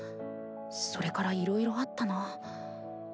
それからいろいろあったなぁ。